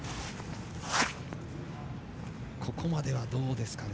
ここまでは、どうですかね。